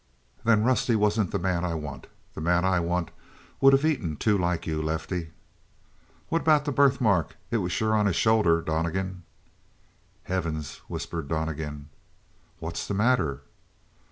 "Then Rusty wasn't the man I want. The man I want would of eaten two like you, Lefty." "What about the birthmark? It sure was on his shoulder; Donnegan." "Heavens!" whispered Donnegan. "What's the matter?"